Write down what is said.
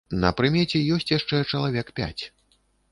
На прымеце ёсць яшчэ чалавек пяць.